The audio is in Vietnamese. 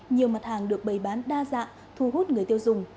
nhiều mặt hàng được bày bán đa dạng thu hút người tiêu dùng